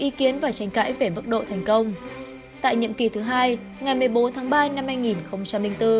ý kiến và tranh cãi về mức độ thành công tại nhiệm kỳ thứ hai ngày một mươi bốn tháng ba năm hai nghìn bốn